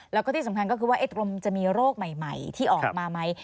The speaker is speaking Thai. แล้วก็ที่สำคัญก็คือว่ากรมจะมีโรคใหม่ที่ออกมาไหม